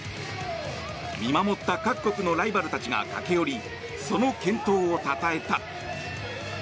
見守った各国のライバルたちが駆け寄りその健闘をたたえた。